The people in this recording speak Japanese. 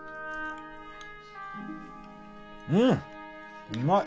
うんっうまい